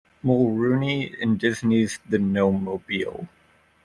Mulrooney, in Disney's "The Gnome-Mobile".